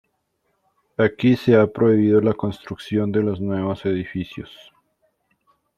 Aquí se ha prohibido la construcción de los nuevos edificios.